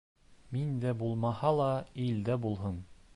Миндә булмаһа ла, илдә булһын.